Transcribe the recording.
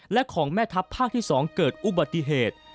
และของแม่ทัพภาคที่๒เกิดอุบัติเหตุ